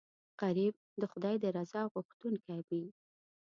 غریب د خدای د رضا غوښتونکی وي